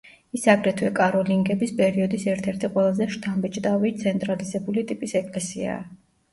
ის აგრეთვე კაროლინგების პერიოდის ერთ-ერთ ყველაზე შთამბეჭდავი ცენტრალიზებული ტიპის ეკლესიაა.